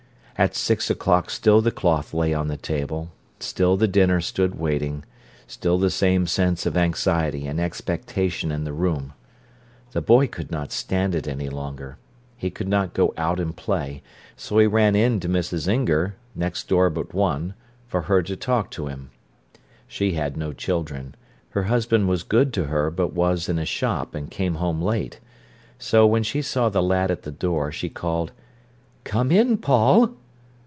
At six o'clock still the cloth lay on the table, still the dinner stood waiting, still the same sense of anxiety and expectation in the room. The boy could not stand it any longer. He could not go out and play. So he ran in to Mrs. Inger, next door but one, for her to talk to him. She had no children. Her husband was good to her but was in a shop, and came home late. So, when she saw the lad at the door, she called: "Come in, Paul."